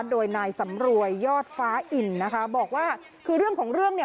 โดยนายสำรวยยอดฟ้าอินนะคะบอกว่าคือเรื่องของเรื่องเนี่ย